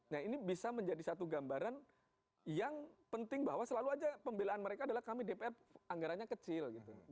nah ini bisa menjadi satu gambaran yang penting bahwa selalu aja pembelaan mereka adalah kami dpr anggarannya kecil gitu